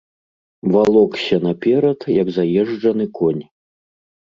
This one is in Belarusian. Валокся наперад, як заезджаны конь.